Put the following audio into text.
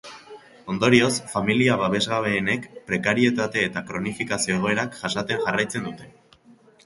Ondorioz, familia babesgabeenek prekarietate eta kronifikazio egoerak jasaten jarraitzen dute.